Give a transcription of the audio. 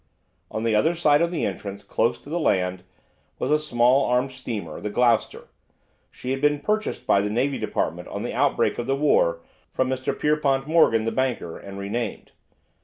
On the other side of the entrance, close in to the land, was a small armed steamer, the "Gloucester." She had been purchased by the Navy Department on the outbreak of the war from Mr. Pierpont Morgan, the banker, and renamed.